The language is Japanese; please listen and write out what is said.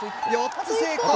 ４つ成功。